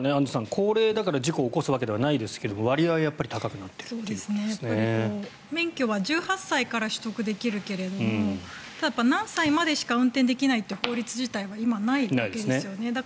高齢だから事故を起こすわけではないですが割合は免許は１８歳から取得できるけれども何歳までしか運転できないという法律自体は今、ないわけですよね。